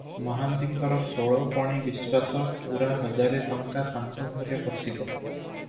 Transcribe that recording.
ମହାନ୍ତିଙ୍କର ଷୋଳପଣି ବିଶ୍ୱାସ, ପୂରା ହଜାରେ ଟଙ୍କା ତାଙ୍କ ଘରେ ପଶିବ ।